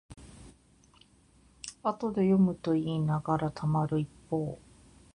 後で読むといいながらたまる一方